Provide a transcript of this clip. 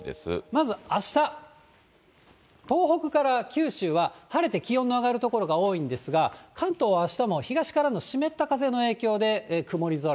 まず、あした、東北から九州は、晴れて気温が上がる所が多いんですが、関東はあしたも東からの湿った風の影響で曇り空。